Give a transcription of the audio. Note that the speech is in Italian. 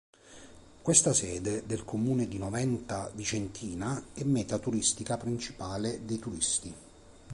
Questa sede del Comune di Noventa Vicentina è meta turistica principale dei turisti.